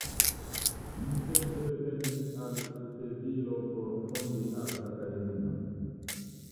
Li sekve revenis al Sevilo por fondi art-akademion.